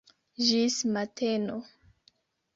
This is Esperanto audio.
Ĝis mateno.